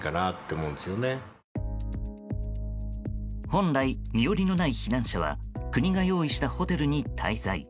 本来、身寄りのない避難者は国が用意したホテルに滞在。